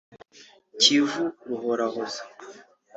Kivu Ruhorahoza